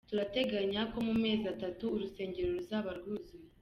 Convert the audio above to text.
Turateganya ko mu mezi atatu urusengero ruzaba rwuzuye.